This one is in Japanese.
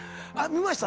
見ました